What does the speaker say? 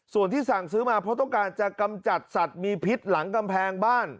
ส่วนที่สั่งซื้อมาเพราะต้องการจะกำจัดสัตว์มีพิษหลังกำแพงบ้าน